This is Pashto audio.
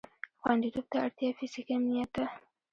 خوندیتوب ته اړتیا فیزیکي امنیت ده.